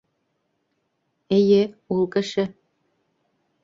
— Эйе, ул кеше.